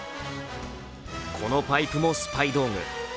このパイプもスパイ道具。